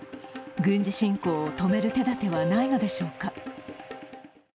軍事侵攻を止める手だてはないのでしょうか。